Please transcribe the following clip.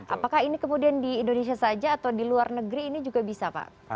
apakah ini kemudian di indonesia saja atau di luar negeri ini juga bisa pak